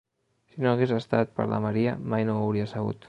Si no hagués estat per la Maria, mai no ho hauria sabut.